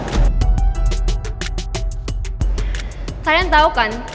kalian tau kan